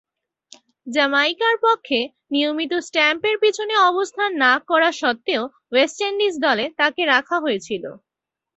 জ্যামাইকার পক্ষে নিয়মিতভাবে স্ট্যাম্পের পিছনে অবস্থান না করা সত্ত্বেও ওয়েস্ট ইন্ডিজ দলে তাকে রাখা হয়েছিল।